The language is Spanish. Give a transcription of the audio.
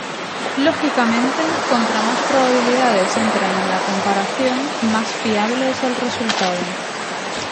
Lógicamente, contra más probabilidades entren en la comparación, más fiable es el resultado.